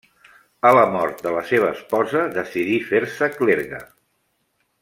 A la mort de la seva esposa decidí fer-se clergue.